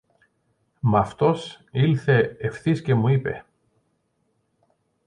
Μ' αυτός ήλθε ευθύς και μου είπε